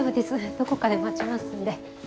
どこかで待ちますんで。